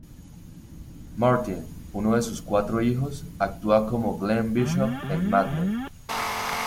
Martin, uno de sus cuatro hijos, actúa como Glen Bishop en "Mad Men".